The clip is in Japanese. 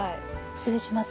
失礼します。